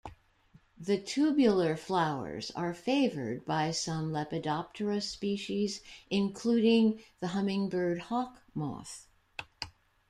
The tubular flowers are favoured by some Lepidoptera species, including the Hummingbird hawk moth.